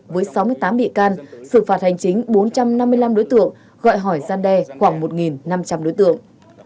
với sáu mươi tám bị can xử phạt hành chính bốn trăm năm mươi năm đối tượng gọi hỏi gian đe khoảng một năm trăm linh đối tượng